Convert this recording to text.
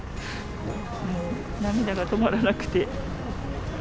もう涙が止まらなくて。